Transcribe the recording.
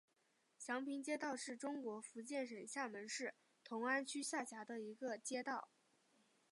祥平街道是中国福建省厦门市同安区下辖的一个街道。